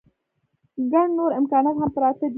ګڼ نور امکانات هم پراته دي.